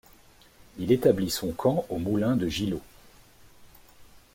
Il établit son camp au moulin de Gillot.